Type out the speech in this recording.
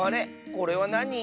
これはなに？